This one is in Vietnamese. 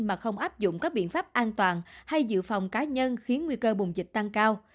mà không áp dụng các biện pháp an toàn hay dự phòng cá nhân khiến nguy cơ bùng dịch tăng cao